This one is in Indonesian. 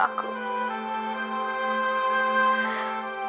sudah memberikan banyak kekuatan